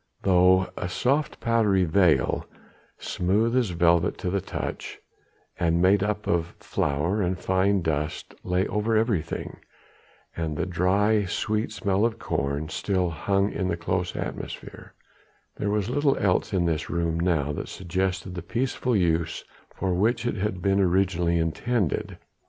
Though a soft powdery veil smooth as velvet to the touch and made up of flour and fine dust lay over everything, and the dry, sweet smell of corn still hung in the close atmosphere, there was little else in this room now that suggested the peaceful use for which it had been originally intended.